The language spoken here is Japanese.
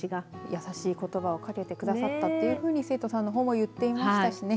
優しいことばをかけてくださったと生徒さんのほうも言っていましたしね。